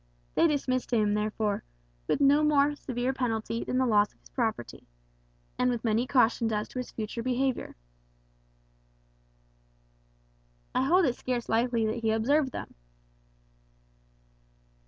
They dismissed him, therefore, with no more severe penalty than the loss of his property, and with many cautions as to his future behaviour." "I hold it scarce likely that he observed them."